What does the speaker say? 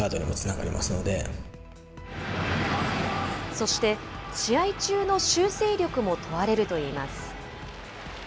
そして、試合中の修正力も問われるといいます。